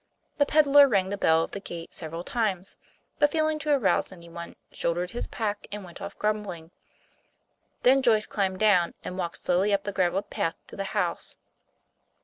The peddler rang the bell of the gate several times, but failing to arouse any one, shouldered his pack and went off grumbling. Then Joyce climbed down and walked slowly up the gravelled path to the house.